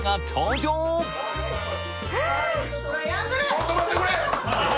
ちょっと待ってくれ！